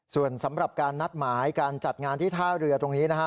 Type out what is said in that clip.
ส่วนสำหรับการนัดหมายการจัดงานที่ท่าเรือตรงนี้นะฮะ